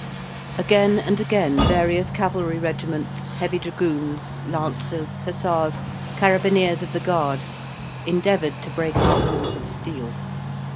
Again and again various cavalry regiments, heavy dragoons, lancers, hussars, carabineers of the Guard, endeavoured to break our walls of steel.